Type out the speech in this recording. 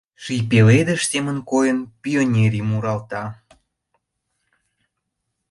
Ший пеледыш семын койын, пионерий муралта.